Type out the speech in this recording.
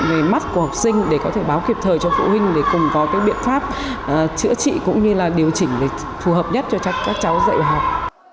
về mắt của học sinh để có thể báo kịp thời cho phụ huynh để cùng có cái biện pháp chữa trị cũng như là điều chỉnh để phù hợp nhất cho các cháu dạy học